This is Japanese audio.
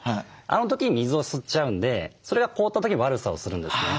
あの時に水を吸っちゃうんでそれが凍った時に悪さをするんですね。